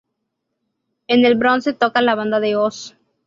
En el Bronze toca la banda de Oz.